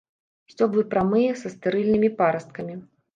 Сцёблы прамыя, са стэрыльнымі парасткамі.